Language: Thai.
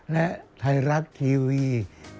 และไทยรัฐทีวี